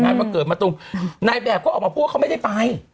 นายแบบก็ออกมาพูดว่าเขาไม่ได้ไป